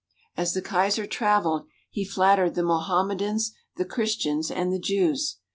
As the Kaiser travelled he flattered the Mo hammedans, the Christians, and the Jews.